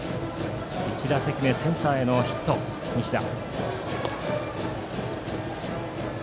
１打席目はセンターへのヒットという西田。